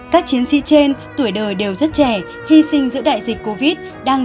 các chiến sĩ trên tuổi đời đều rất trẻ hy sinh giữa đại dịch covid một mươi chín